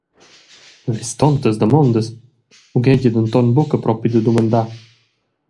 El vess tontas damondas, ughegia denton buca propi da dumandar.